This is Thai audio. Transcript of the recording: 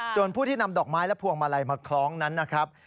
ส่วนผู้ที่นำดอกไม้และพวงมาลัยมาคล้องนั้นนะครับ